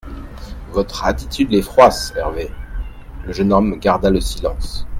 —Votre attitude les froisse, Hervé.» Le jeune homme garda le silence.